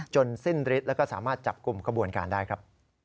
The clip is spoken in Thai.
สิ้นฤทธิ์แล้วก็สามารถจับกลุ่มขบวนการได้ครับ